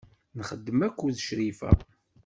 Nxeddem akked Crifa.